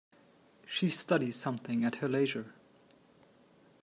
She studies something at her leisure.